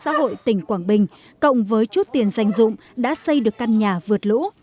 xã hội tỉnh quảng bình cộng với chút tiền dành dụng đã xây được căn nhà vượt lũ